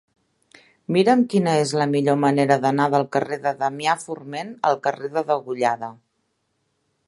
Mira'm quina és la millor manera d'anar del carrer de Damià Forment al carrer de Degollada.